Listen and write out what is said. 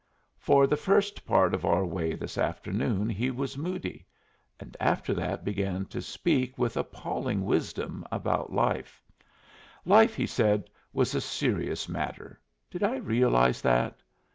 For the first part of our way this afternoon he was moody, and after that began to speak with appalling wisdom about life. Life, he said, was a serious matter. Did I realize that?